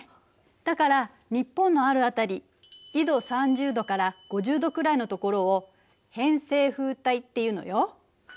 だから日本のある辺り緯度３０度から５０度くらいのところを「偏西風帯」っていうのよ。